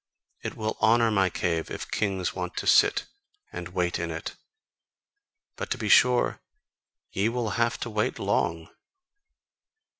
It will honour my cave if kings want to sit and wait in it: but, to be sure, ye will have to wait long!